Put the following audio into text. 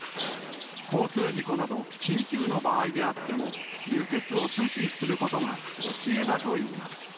交通事故など、緊急の場合であっても、輸血を拒否することが教えだといいます。